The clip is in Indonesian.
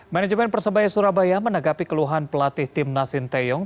manajemen persebaya surabaya menanggapi keluhan pelatih timnas sinteyong